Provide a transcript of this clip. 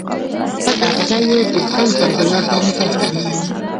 خپل اغزی یې د بل پر ګلاب باندې ښایسته ګڼلو.